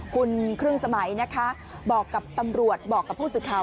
คุณครึ่งสมัยนะคะบอกกับตำรวจบอกกับผู้สื่อข่าว